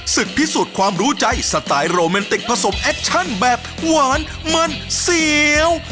พิสูจน์ความรู้ใจสไตล์โรแมนติกผสมแอคชั่นแบบหวานมันเสียว